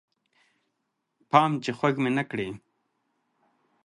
پام چې خوږ مې نه کړې